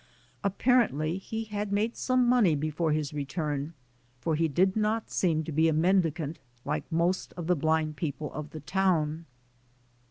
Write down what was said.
Apparently he had made some money before his return, for he did not seem to be a mendicant like most of the blind people of the town.